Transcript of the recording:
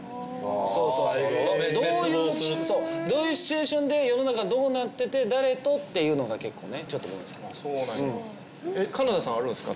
そうそうそうどういうどういうシチュエーションで世の中どうなってて誰とっていうのが結構ねちょっとごめんなさい金田さんあるんすか？